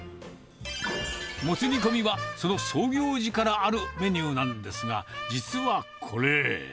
モツ煮込みはその創業時からあるメニューなんですが、実はこれ。